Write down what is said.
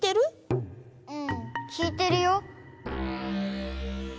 うん聞いてるよ。